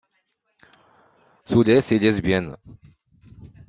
Soules est lesbienne.